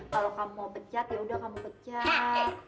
kalau kamu mau pecat ya udah kamu pecat